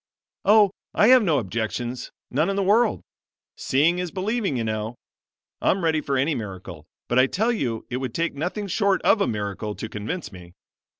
"Oh, I have no objections, none in the world seeing is believing, you know. I'm ready for any miracle; but I tell you it would take nothing short of a miracle to convince me.